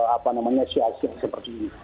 apa namanya siasat seperti ini